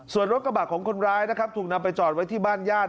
ส่วนรถกระบะของคนร้ายนะครับถูกนำไปจอดไว้ที่บ้านญาติ